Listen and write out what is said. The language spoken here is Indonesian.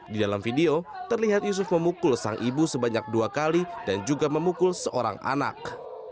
di dalam video terlihat yusuf memukul sang ibu sebanyak dua kali dan juga memukul seorang anak